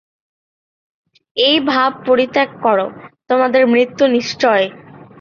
এই ভাব পরিত্যাগ কর, তোমাদের মৃত্যু নিশ্চয়।